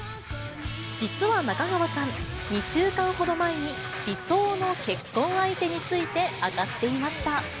実は中川さん、２週間ほど前に、理想の結婚相手について明かしていました。